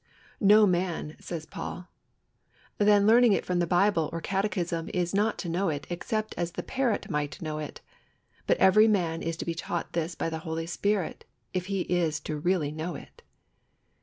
"No man," says Paul. Then learning it from the Bible or catechism is not to know it except as the parrot might know it; but every man is to be taught this by the Holy Spirit, if he is to really know it.